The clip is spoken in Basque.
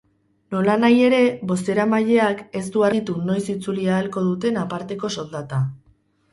Nolanahi ere, bozeramaileak ez du argitu noiz itzuli ahalko duten aparteko soldata.